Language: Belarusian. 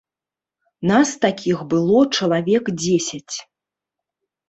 Нас такіх было чалавек дзесяць.